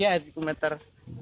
iya itu meter